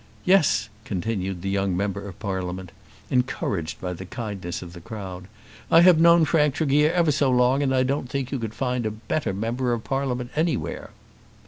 "Yes," continued the young member of Parliament, encouraged by the kindness of the crowd, "I have known Frank Tregear ever so long, and I don't think you could find a better member of Parliament anywhere."